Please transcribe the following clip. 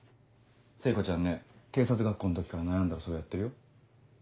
聖子ちゃんね警察学校の時から悩んだらそれやってるよ。